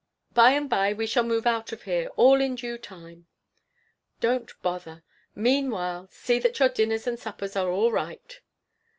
By and by we shall move out of here. All in due time. Don't bother. Meanwhile see that your dinners and suppers are all right.